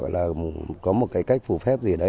là có một cái cách phù phép gì đấy